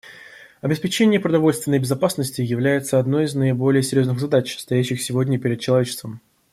Обеспечение продовольственной безопасности является одной из наиболее серьезных задач, стоящих сегодня перед человечеством.